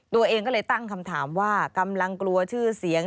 ตัวเองก็เลยตั้งคำถามว่ากำลังกลัวชื่อเสียง